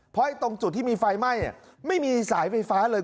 เพราะตรงจุดที่มีไฟไหม้ไม่มีสายไฟฟ้าเลย